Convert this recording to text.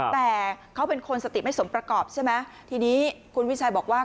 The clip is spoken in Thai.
แต่เขาเป็นคนสติไม่สมประกอบใช่ไหมทีนี้คุณวิชัยบอกว่า